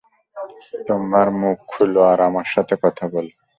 তোমার মুখ খুলো আর আমার সাথে কথা বলো।